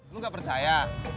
lu gak percaya